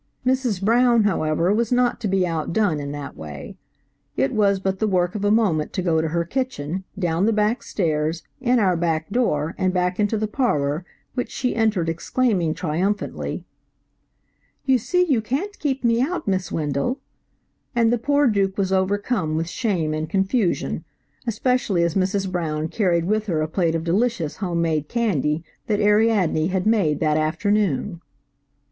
Mrs. Brown, however, was not to be outdone in that way. It was but the work of a moment to go to her kitchen, down the back stairs, in our back door, and back into the parlor, which she entered exclaiming triumphantly: "You see you can't keep me out, Miss Wendell," and the poor Duke was overcome with shame and confusion, especially as Mrs. Brown carried with her a plate of delicious home made candy that Ariadne had made that afternoon.